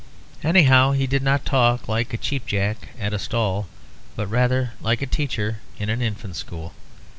Anyhow, he did not talk like a cheap jack at a stall; but rather like a teacher in an infant school.